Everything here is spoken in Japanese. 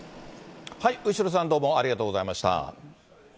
後呂さん、どうもありがとうございました。